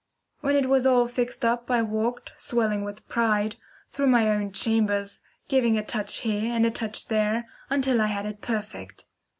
When it was all fixed up I walked, swelling with pride, through my own chambers, giving a touch here and a touch there until I had it perfect.